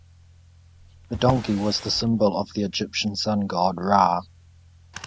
The donkey was the symbol of the Egyptian sun god Ra.